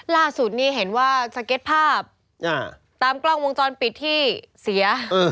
ล่าสุดนี่เห็นว่าสเก็ตภาพตามกล้องวงจรปิดที่เสีย